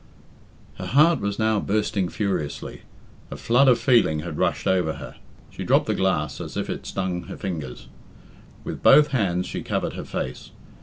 Her heart was now beating furiously. A flood of feeling had rushed over her. She dropped the glass as if it stung her fingers. With both hands she covered her face.